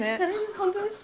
本当ですか？